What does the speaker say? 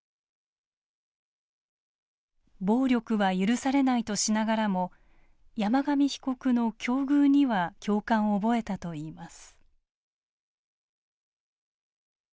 暴力は許されないとしながらも山上被告の境遇には共感を覚えたといいます。